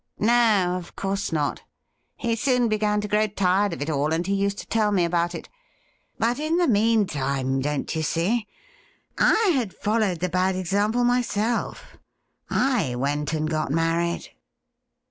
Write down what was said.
' No, of course not. He soon began to grow tired of it all, and he used to tell me about it. But in the mean 44 THE RIDDLE RING time, don't you see, I had followed the bad example myself : I went and got married.''